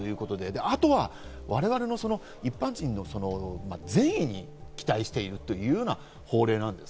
あとは我々の、一般人の善意に期待しているという法令です。